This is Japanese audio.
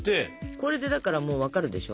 これでだからもう分かるでしょ。